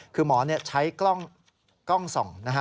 คือหมอใช้กล้องส่อง